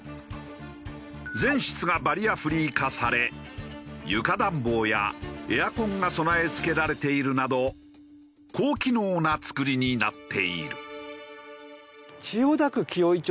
全室がバリアフリー化され床暖房やエアコンが備え付けられているなど高機能な造りになっている。